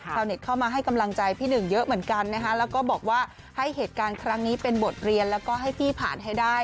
เข้ามาให้กำลังใจพี่หนึ่งเยอะเหมือนกันนะคะแล้วก็บอกว่าให้เหตุการณ์ครั้งนี้เป็นบทเรียนแล้วก็ให้พี่ผ่านให้ได้